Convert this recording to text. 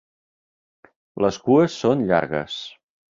Les cues són llargues.